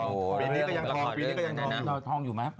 ปีนี้ก็ยังทองปีนี้ก็ยังทองอยู่